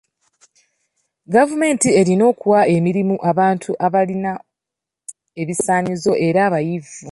Gavumenti erina okuwa emirimu abantu abalina ebisaanyizo era abayivu.